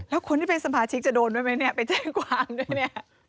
เอ้าหลุมว่าคนที่เป็นสมาชิกจะโดนไหมเนี่ยไปแจ้งความด้วยเนี่ย